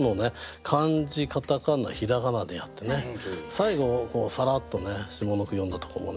最後さらっとね下の句詠んだとこもね